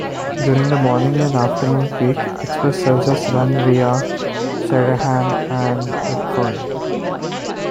During the morning and afternoon peak, express services run via Sydenham and Redfern.